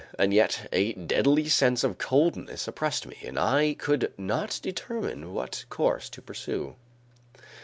And yet, a deadly sense of coldness oppressed me and I could not determine what course to pursue.